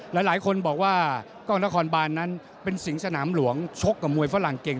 หลายคนบอกว่ากล้องนครบานนั้นเป็นสิงห์สนามหลวงชกกับมวยฝรั่งเก่ง